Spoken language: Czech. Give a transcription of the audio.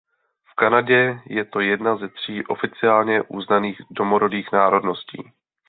V Kanadě je to jedna ze tří oficiálně uznaných domorodých národností.